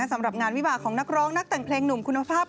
สำหรับงานวิบากของนักร้องนักแต่งเพลงหนุ่มคุณภาพ